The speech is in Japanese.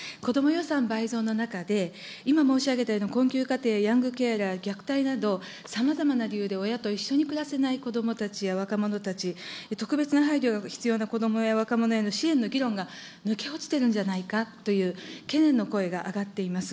予算倍増の中で、今申し上げたような困窮家庭、ヤングケアラー、虐待など、さまざまな理由で親と一緒に暮らせないこどもたちや若者たち、特別な配慮が必要なこどもや若者への支援の議論が、抜け落ちてるんじゃないかという懸念の声が上がっています。